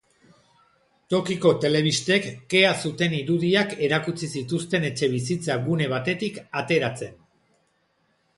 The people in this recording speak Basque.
Tokiko telebistek kea zuten irudiak erakutsi zituzten etxebizitza gune batetik ateratzen.